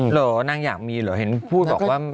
เหรอนางอยากมีเหรอเห็นพูดบอกว่า